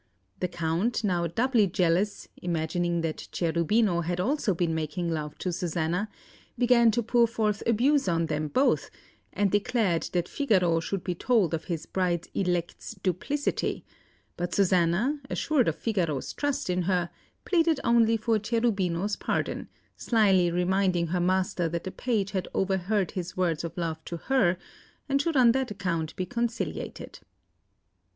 The Count, now doubly jealous, imagining that Cherubino had also been making love to Susanna, began to pour forth abuse on them both, and declared that Figaro should be told of his bride elect's duplicity; but Susanna, assured of Figaro's trust in her, pleaded only for Cherubino's pardon, slyly reminding her master that the page had overheard his words of love to her, and should on that account be conciliated.